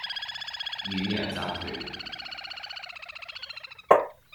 遠洋集團